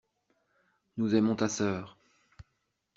Nous aimons ta sœur.